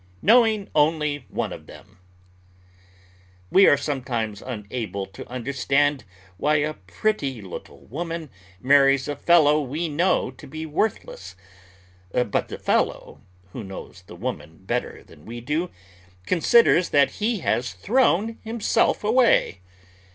KNOWING ONLY ONE OF THEM We are sometimes unable to understand why a pretty little woman marries a fellow we know to be worthless; but the fellow, who knows the woman better than we do, considers that he has thrown himself away.